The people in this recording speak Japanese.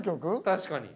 確かに。